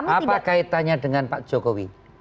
apa kaitannya dengan pak jokowi